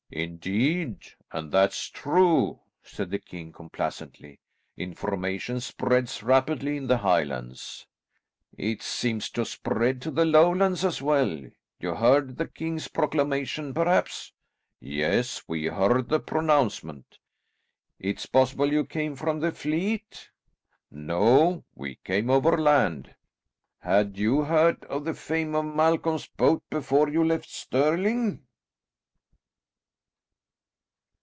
"Indeed and that's true," said the king complacently. "Information spreads rapidly in the Highlands." "It seems to spread to the Lowlands as well. You heard the king's proclamation perhaps?" "Yes, we heard the pronouncement." "It's possible you came from the fleet?" "No. We came overland." "Had you heard of the fame of Malcolm's boat before you left Stirling?"